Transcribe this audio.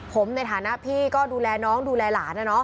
ผมในฐานะพี่ก็ดูแลน้องดูแลหลาน